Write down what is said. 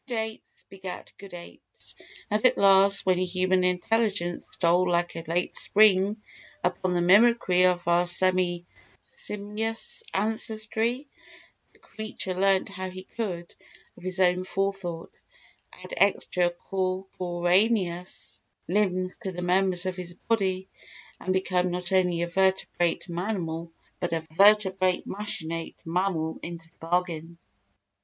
Good apes begat good apes, and at last when human intelligence stole like a late spring upon the mimicry of our semi simious ancestry, the creature learnt how he could, of his own forethought, add extra corporaneous limbs to the members of his body and become not only a vertebrate mammal, but a vertebrate machinate mammal into the bargain.